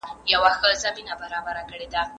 نه د ښو درک معلوم دی نه په بدو څوک شرمیږي